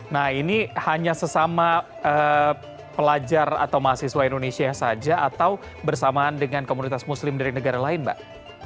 nah ini hanya sesama pelajar atau mahasiswa indonesia saja atau bersamaan dengan komunitas muslim dari negara lain mbak